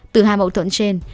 từ hai mậu thuận trên